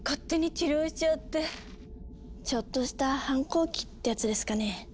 ちょっとした反抗期ってやつですかね？